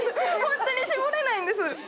ホントに絞れないんです。